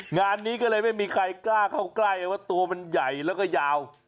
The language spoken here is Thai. งานนี้ก็เลยไม่มีใครกล้าเข้าใกล้ว่าตัวมันใหญ่แล้วก็ยาว